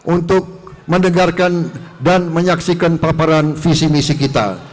untuk mendengarkan dan menyaksikan paparan visi misi kita